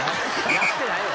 やってないわ！